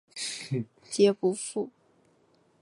皆不赴。